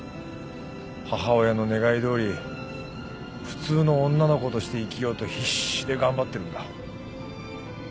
母親の願いどおり普通の女の子として生きようと必死で頑張ってるんだ。